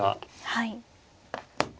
はい。